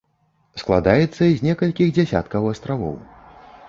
Складаецца з некалькіх дзесяткаў астравоў.